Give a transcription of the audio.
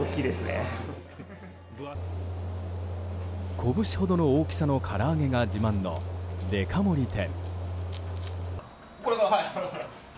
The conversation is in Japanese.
こぶしほどの大きさのから揚げが自慢のデカ盛り店。